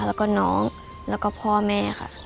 แล้วก็น้องแล้วก็พ่อแม่ค่ะ